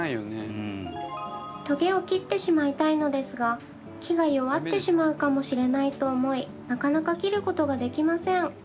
トゲを切ってしまいたいのですが木が弱ってしまうかもしれないと思いなかなか切ることができません。